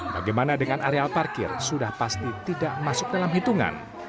bagaimana dengan areal parkir sudah pasti tidak masuk dalam hitungan